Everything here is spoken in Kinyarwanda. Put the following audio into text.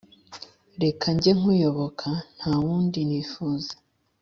reka njye nkuyoboka, ntawundi nifuza